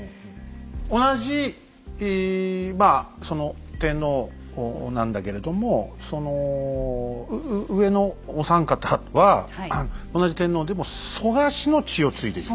同じ天皇なんだけれどもその上のお三方は同じ天皇でも蘇我氏の血を継いでいる。